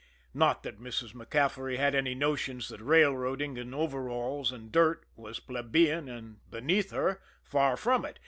Not that Mrs. MacCaffery had any notions that railroading and overalls and dirt was plebeian and beneath her far from it!